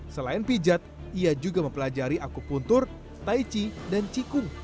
selain pijat ia juga mempelajari akupuntur tai chi dan qigong